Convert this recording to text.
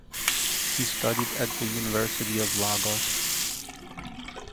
He studied at the University of Lagos.